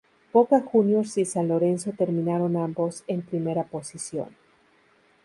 Boca Juniors y San Lorenzo terminaron ambos en primera posición.